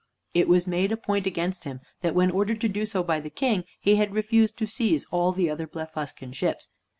It was made a point against him that, when ordered to do so by the King, he had refused to seize all the other Blefuscan ships.